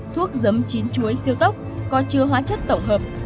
thuốc dấm chín chuối siêu tốc có chứa hóa chất tổng hợp